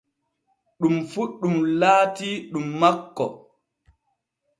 Ɗum fu ɗum laatii ɗum makko.